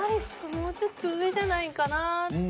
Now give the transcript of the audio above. もうちょっと上じゃないかなって。